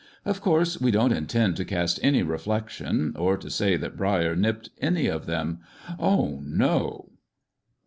Of course we don't in tend to cast any reflection, or to say that Brier nipped any of them. Oh no